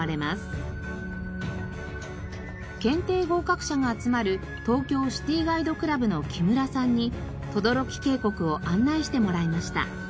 検定合格者が集まる東京シティガイドクラブの木村さんに等々力渓谷を案内してもらいました。